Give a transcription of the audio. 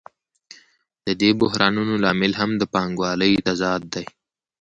د دې بحرانونو لامل هم د پانګوالۍ تضاد دی